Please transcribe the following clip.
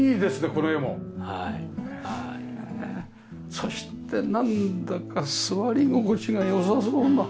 そしてなんだか座り心地が良さそうな。